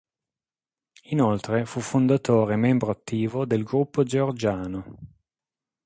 Inoltre, fu fondatore e membro attivo del Gruppo Georgiano.